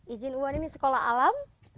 ijin wan ini sekolah alam